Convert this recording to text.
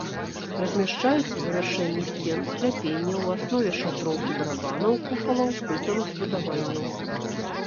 Размяшчаюцца завяршэнні сцен, скляпенняў, у аснове шатроў і барабанаў купалаў культавых збудаванняў.